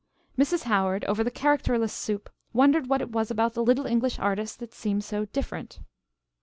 Mrs. Howard, over the characterless soup, wondered what it was about the little English artist that seemed so "different."